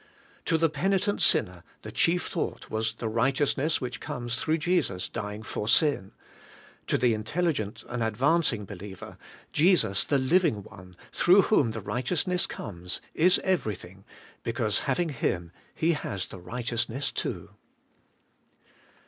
To the peni tent sinner the chief thought was the righteousness which comes through Jesus dying for sin; to the intelligent and advancing believer, Jesus^ the Living One, through whom the righteousness comes, is everything, because having Him he has the righteous ness too.